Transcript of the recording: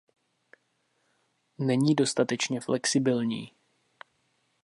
Není dostatečně flexibilní.